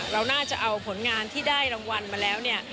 เราน่าจะเอาผลงานที่ได้รางวัลมาแล้วเนี่ย